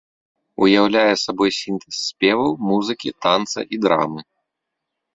Уяўляе сабой сінтэз спеваў, музыкі, танца і драмы.